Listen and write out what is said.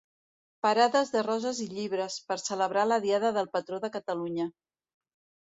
Parades de roses i llibres, per celebrar la diada del patró de Catalunya.